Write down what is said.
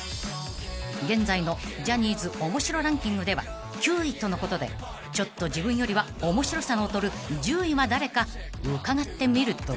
［現在のジャニーズおもしろランキングでは９位とのことでちょっと自分よりは面白さの劣る１０位は誰か伺ってみると］